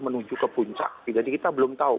menuju ke puncak jadi kita belum tahu